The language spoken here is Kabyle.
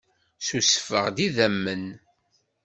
Ssusfeɣ-d idammen.